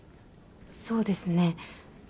そうですね